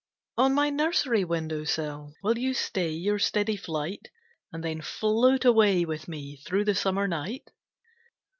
On my nursery window sill Will you stay your steady flight? And then float away with me Through the summer night?